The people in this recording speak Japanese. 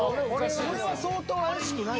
これは相当怪しくないよ。